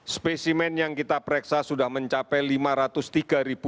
spesimen yang kita pereksa sudah mencapai lima ratus tiga tujuh ratus satu